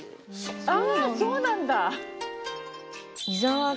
ああそうなんだ！